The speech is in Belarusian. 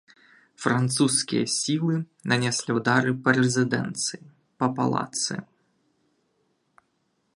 Французскія сілы нанеслі ўдары па рэзідэнцыі, па палацы.